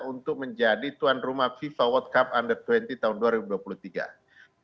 untuk menjadi tuan rumah fifa world cup under dua puluh tahun dua ribu dua puluh tiga